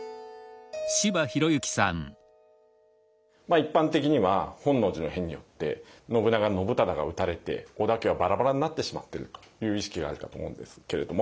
一般的には本能寺の変によって信長信忠が討たれて織田家はバラバラになってしまってるという意識があるかと思うんですけれども。